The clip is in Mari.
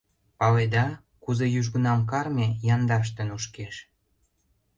Паледа, кузе южгунам карме яндаште нушкеш.